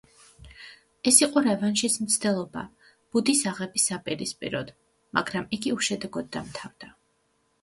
ეს იყო რევანშის მცდელობა ბუდის აღების საპირისპიროდ, მაგრამ იგი უშედეგოდ დამთავრდა.